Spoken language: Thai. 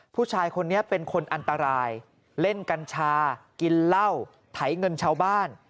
ผู้ชายคนนี้เป็นคนอันตรายเล่นกัญชากินเหล้าไถเงินชาวบ้าน